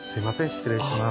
失礼します。